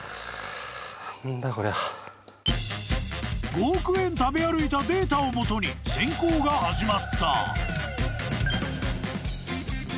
［５億円食べ歩いたデータを基に選考が始まった］